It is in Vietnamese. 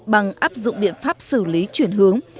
bằng áp dụng biện pháp xử lý chuyển hướng